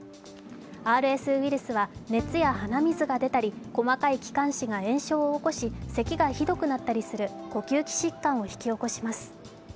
ＲＳウイルスは熱や鼻水が出たり、細かい気管支が炎症を起こしせきがひどくなったりする呼吸器疾患を引き起こします。